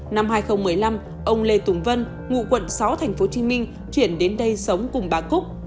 năm hai nghìn một mươi năm ông lê tùng vân ngụ quận sáu tp hcm chuyển đến đây sống cùng bà cúc